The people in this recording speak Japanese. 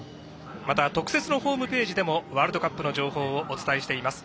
また、特設のホームページでもワールドカップの情報をお伝えしています。